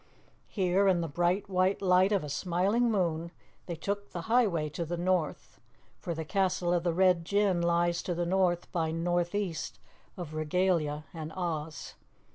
Here in the bright white light of a smiling moon they took the highway to the north, for the castle of the Red Jinn lies to the north by northeast of Regalia and Oz.